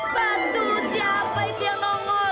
bantu siapa itu yang nongol